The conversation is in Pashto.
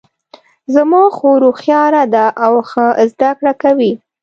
زما خور هوښیاره ده او ښه زده کړه کوي